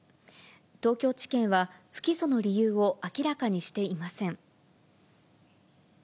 東京地検は、不起訴の理由を明らかにしていません。